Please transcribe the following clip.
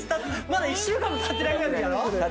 まだ１週間もたってないぐらいのときだろ？